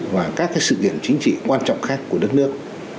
và các sự kiện chính trị quan trọng khác của đất nước